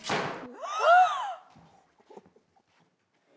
うわ！